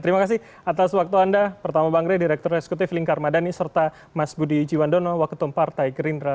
terima kasih atas waktu anda pertama bang kriya direktur reskutif linkar madani serta mas budi jiwandono waketom partai gerindra